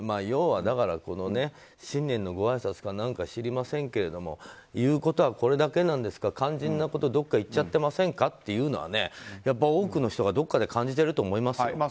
要は、新年のごあいさつか何か知りませんけど言うことはこれだけなんですか肝心なことどこかにいっちゃってませんかというのはやっぱ多くの人がどっかで感じてると思いますよ。